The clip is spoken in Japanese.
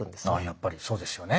やっぱりそうですよね。